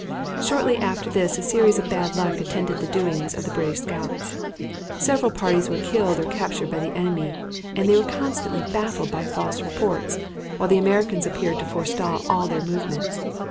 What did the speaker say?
Shortly after this a series of bad luck attended the doings of the British scouts. Several parties were killed or captured by the enemy, and they were constantly baffled by false reports, while the Americans appeared to forestall all their movements.